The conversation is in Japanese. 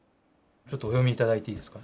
ちょっとお読み頂いていいですか。